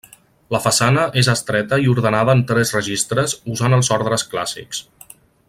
La façana és estreta i ordenada en tres registres usant els ordres clàssics.